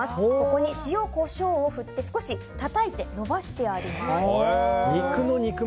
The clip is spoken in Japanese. ここに塩、コショウを振って少したたいて延ばしてあります。